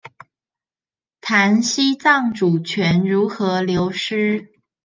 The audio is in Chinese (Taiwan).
談西藏主權如何流失